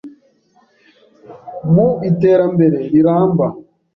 mu iterambere riramba.